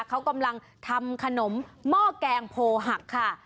เขากำลังทำขนมหม้อแกงโพหักค่ะ